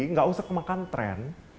tidak usah makan tren